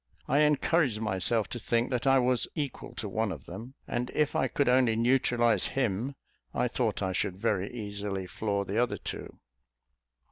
I encouraged myself to think that I was equal to one of them; and if I could only neutralise him, I thought I should very easily floor the other two.